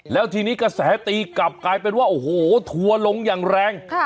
แล้วทีนี้กระแสตีกลับกลายเป็นว่าโอ้โหทัวร์ลงอย่างแรง